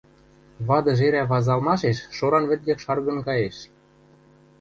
Вады жерӓ вазалмашеш шоран вӹд якшаргын каеш.